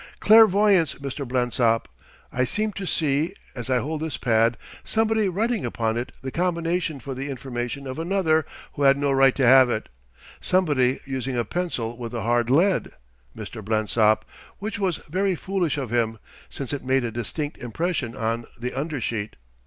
"Clairvoyance, Mr. Blensop. I seem to see, as I hold this pad, somebody writing upon it the combination for the information of another who had no right to have it somebody using a pencil with a hard lead, Mr. Blensop; which was very foolish of him, since it made a distinct impression on the under sheet.